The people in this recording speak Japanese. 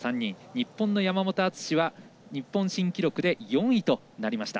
日本の山本篤は日本新記録で４位となりました。